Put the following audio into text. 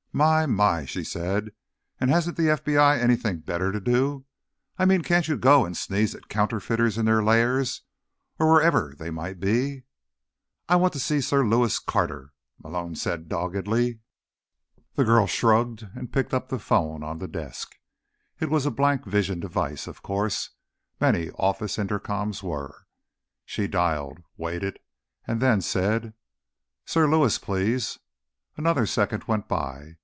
"My, my," she said. "And hasn't the FBI anything better to do? I mean, can't you go and sneeze at counterfeiters in their lairs, or wherever they might be?" "I want to see Sir Lewis Carter," Malone said doggedly. The girl shrugged and picked up the phone on the desk. It was a blank vision device, of course; many office intercoms were. She dialed, waited and then said, "Sir Lewis, please." Another second went by.